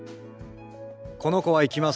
この子は生きます。